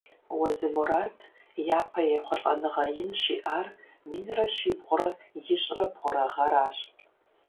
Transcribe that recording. Уэзы Мурат япэ ехъулӏэныгъэ ин щиӏар минрэ щибгъурэ ищӏрэ бгъурэ гъэращ.